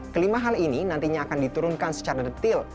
kelima hal ini nantinya akan diturunkan secara detil